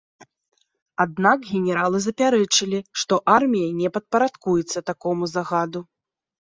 Аднак генералы запярэчылі, што армія не падпарадкуецца такому загаду.